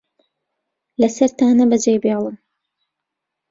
لەسەرتانە بەجێی بهێڵن